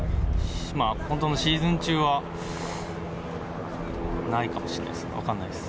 本当のシーズン中は、ないかもしれないですね、分かんないです。